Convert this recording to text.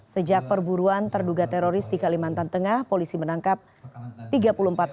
sejak perburuan terduga teroris di kalimantan tengah polisi menangkap tiga puluh empat orang